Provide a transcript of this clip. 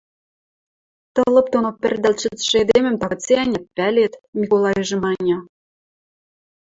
Тылып доно пӹрдалт шӹцшӹ эдемӹм тагыце-ӓнят пӓлет, – Миколайжы маньы.